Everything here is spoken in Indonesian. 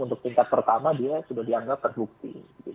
untuk tingkat pertama dia sudah dianggap terbukti